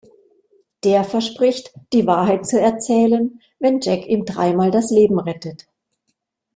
Der verspricht, die Wahrheit zu erzählen, wenn Jack ihm dreimal das Leben rettet.